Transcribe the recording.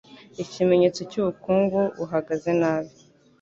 ikimenyetso cy'ubukungu buhagaze nabi.